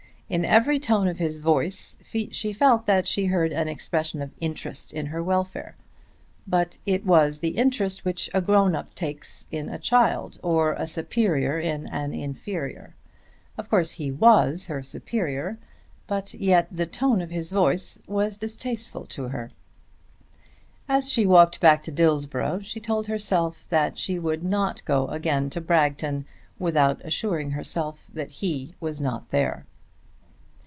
In every tone of his voice she felt that she heard an expression of interest in her welfare, but it was the interest which a grown up person takes in a child, or a superior in an inferior. Of course he was her superior, but yet the tone of his voice was distasteful to her. As she walked back to Dillsborough she told herself that she would not go again to Bragton without assuring herself that he was not there.